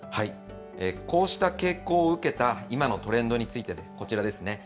こうした傾向を受けた今のトレンドについて、こちらですね。